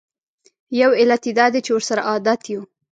یو علت یې دا دی چې ورسره عادت یوو.